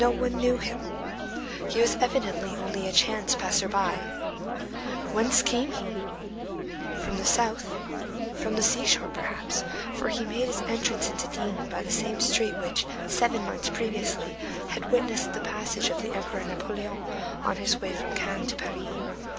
No one knew him. He was evidently only a chance passer by. Whence came he? From the south; from the seashore, perhaps, for he made his entrance into D—— by the same street which, seven months previously, had witnessed the passage of the Emperor Napoleon on his way from Cannes to Paris.